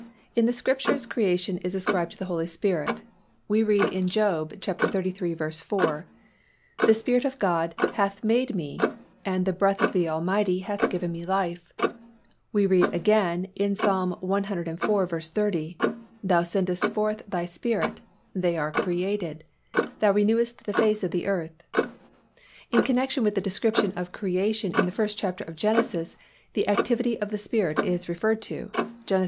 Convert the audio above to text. In the Scriptures creation is ascribed to the Holy Spirit. We read in Job xxxiii. 4, "The Spirit of God hath made me, and the breath of the Almighty hath given me life." We read still again in Ps. civ. 30, "Thou sendest forth Thy Spirit, they are created: and Thou renewest the face of the earth." In connection with the description of creation in the first chapter of Genesis, the activity of the Spirit is referred to (Gen. i.